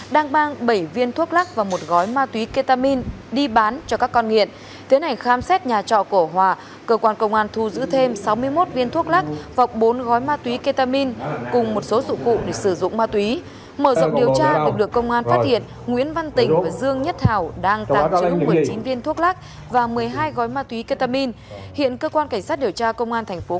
đang mang bảy viên thuốc lắc và một gói ma túy ketamin